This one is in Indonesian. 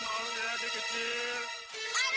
mau ya adik kecil